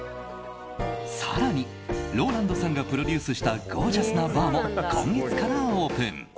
更に、ＲＯＬＡＮＤさんがプロデュースしたゴージャスなバーも今月からオープン。